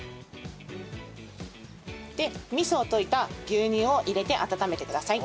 で味噌を溶いた牛乳を入れて温めてください。